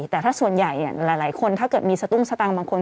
แต่ส่วนใหญ่แต่มีสตุ้งสตังค์บางคน